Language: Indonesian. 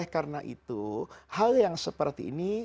masjid yang seperti ini